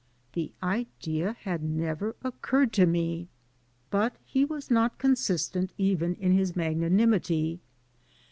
The idea had never occurred to me. But he was not consistent even in his magnanimity.